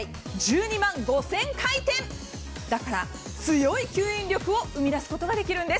だから強い吸引力を生み出すことができるんです。